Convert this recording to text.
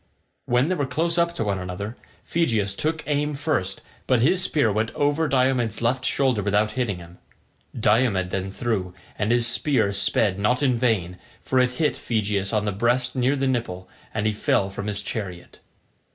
When they were close up to one another, Phegeus took aim first, but his spear went over Diomed's left shoulder without hitting him. Diomed then threw, and his spear sped not in vain, for it hit Phegeus on the breast near the nipple, and he fell from his chariot.